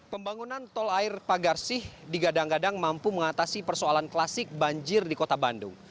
pembangunan tol air pagarsih digadang gadang mampu mengatasi persoalan klasik banjir di kota bandung